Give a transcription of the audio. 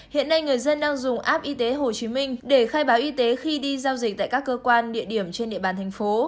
hãy báo y tế khi đi giao dịch tại các cơ quan địa điểm trên địa bàn thành phố